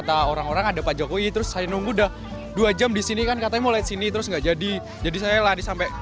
bapak jokowi terima kasih